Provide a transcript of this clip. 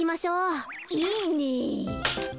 いいね。